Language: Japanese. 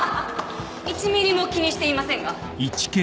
１ミリも気にしていませんが。